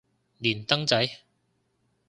連登仔